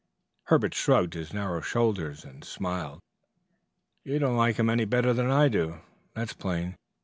Herbert shrugged his narrow shoulders and smiled. "You don't like him any better than I do, that's plain.